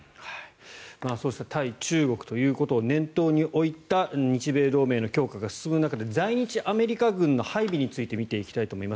そうした対中国ということを念頭に置いた日米同盟の協議が進む中で在日アメリカ軍の配備について見ていきたいと思います。